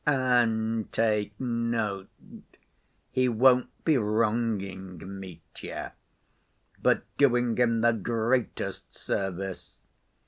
And, take note, he won't be wronging Mitya, but doing him the greatest service.